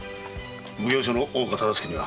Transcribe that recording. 奉行所の大岡忠相には。